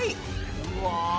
うわ！